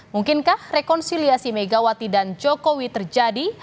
mungkinkah rekonsiliasi megawati dan jokowi terjadi